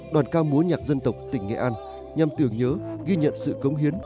đoàn ca múa nhạc dân tộc tỉnh nghệ an nhằm tưởng nhớ ghi nhận sự cống hiến